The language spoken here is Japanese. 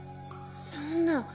そんな。